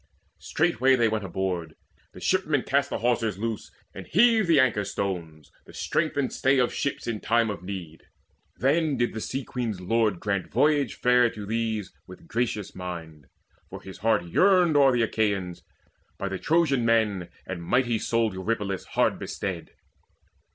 Straightway they went aboard: the shipmen cast The hawsers loose, and heaved the anchor stones, The strength and stay of ships in time of need. Then did the Sea queen's lord grant voyage fair To these with gracious mind; for his heart yearned O'er the Achaeans, by the Trojan men And mighty souled Eurypylus hard bestead.